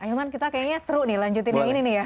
ahilman kita kayaknya seru nih lanjutin yang ini nih ya